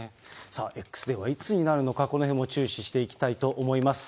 さあＸデーはいつになるのか、このへんも注視していきたいと思います。